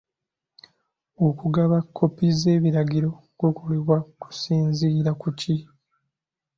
Okugaba kkopi z'ebiragiro kukolebwa kusinziira ku ki?